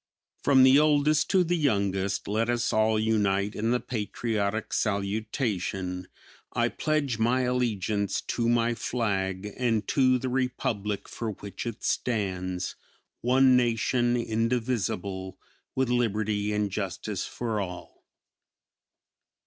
From the oldest to the youngest, let us all unite in the patriotic salutation, "I pledge my allegiance to my flag and to the Republic for which it stands. One Nation indivisible, with Liberty and Justice for all."